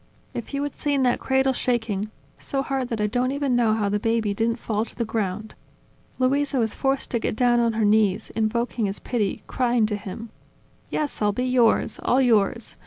"If you had seen that cradle shaking, so hard that I don't even know how the baby didn't fall to the ground! Luisa was forced to get down on her knees, invoking his pity, crying to him: "Yes, I'll be yours, all yours! ..